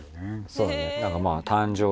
そうだね。